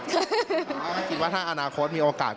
คิดว่าถ้าอนาคตมีโอกาส